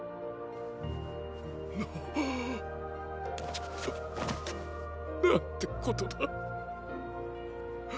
ななんてことだ。